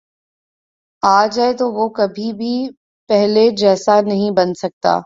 آ جائے تو وہ کبھی بھی پہلے جیسا نہیں بن سکتا